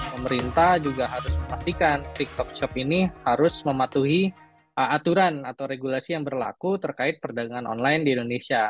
pemerintah juga harus memastikan tiktok shop ini harus mematuhi aturan atau regulasi yang berlaku terkait perdagangan online di indonesia